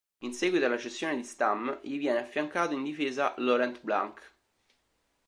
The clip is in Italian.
In seguito alla cessione di Stam, gli viene affiancato in difesa Laurent Blanc.